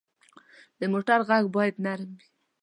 د موټر غږ باید نرم وي.